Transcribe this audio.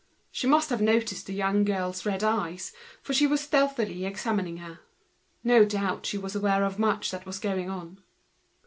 She must have noticed the young girl's red eyes, for she was stealthily examining her. No doubt she was aware of a great deal of what was going on.